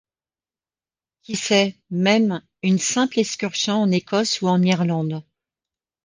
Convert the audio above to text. Qui sait, même, une simple excursion en Écosse ou en Irlande...